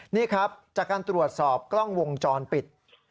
นี่ครับจากการตรวจสอบกล้องวงจรปิด